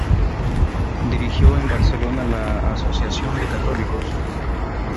Dirigió en Barcelona la Asociación de Católicos.